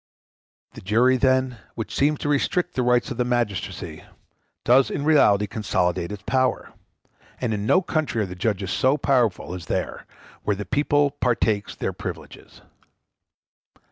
] The jury, then, which seems to restrict the rights of magistracy, does in reality consolidate its power, and in no country are the judges so powerful as there, where the people partakes their privileges.